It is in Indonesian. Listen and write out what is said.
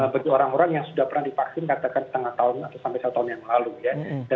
bagi orang orang yang sudah pernah divaksin katakan setengah tahun atau sampai satu tahun yang lalu ya